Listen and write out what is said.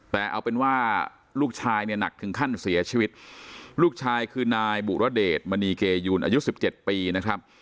แต่เอาเป็นว่าลูกชายเนี่ยหนักถึงขั้นเสียชีวิตลูกชายคือนายบุรเดชมณีเกยูนอายุสิบเจ็ดปีนะครับ